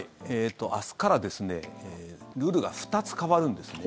明日からルールが２つ変わるんですね。